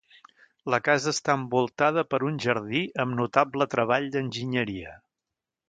La casa està envoltada per un jardí amb notable treball d'enginyeria.